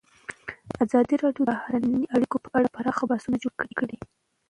ازادي راډیو د بهرنۍ اړیکې په اړه پراخ بحثونه جوړ کړي.